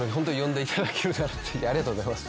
ありがとうございます。